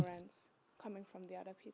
cảm ơn các bạn đã theo dõi